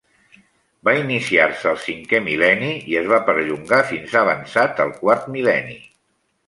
Va iniciar-se al cinquè mil·lenni i es va perllongar fins avançat el quart mil·lenni.